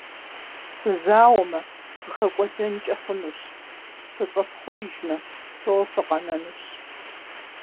Фызауэмэ, фыхэкӏуэдэнкӏэ хъунущ, фыщӏэпхъуэжмэ, псэууэ фыкъэнэнущ.